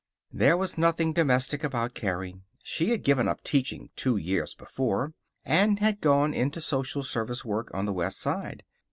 There was nothing domestic about Carrie. She had given up teaching two years before, and had gone into social service work on the West Side.